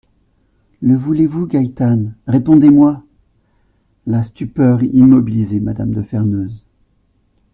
Le voulez-vous, Gaétane ? Répondez-moi.» La stupeur immobilisait M^{me} de Ferneuse.